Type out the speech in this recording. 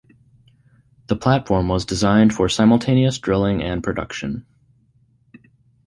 The platform was designed for simultaneous drilling and production.